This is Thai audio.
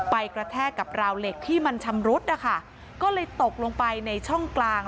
กระแทกกับราวเหล็กที่มันชำรุดนะคะก็เลยตกลงไปในช่องกลาง